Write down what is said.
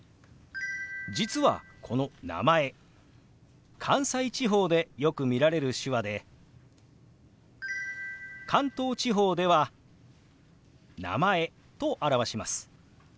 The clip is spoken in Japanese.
実はこの「名前」関西地方でよく見られる手話で関東地方では「名前」と表します。